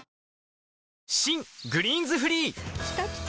新「グリーンズフリー」きたきた！